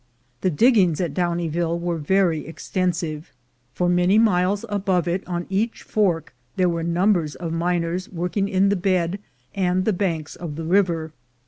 The diggings at Downieville were very extensive; for many miles above it on each fork there were num bers of miners working in the bed and the banks of the river.